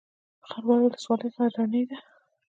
خروار ولسوالۍ غرنۍ ده؟